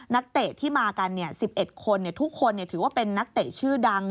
นักเตะที่มากัน๑๑คนทุกคนถือว่าเป็นนักเตะชื่อดัง